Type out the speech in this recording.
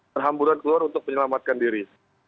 berhamburan keluar untuk menyelamatkan diri